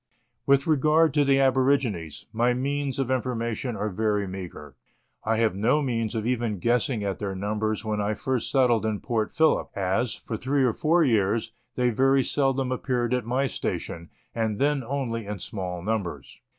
With regard to the aborigines, my means of information are very meagre. I have no means of even guessing at their numbers when I first settled in Port Phillip, as, for three or four years, they very seldom appeared at my station, and then only in small numbers.